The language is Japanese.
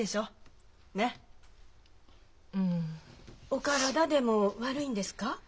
お体でも悪いんですか？